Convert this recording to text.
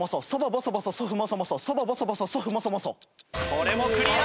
これもクリア！